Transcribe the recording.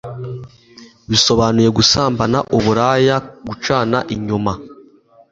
bisobanuye gusambana, uburaya, gucana inyuma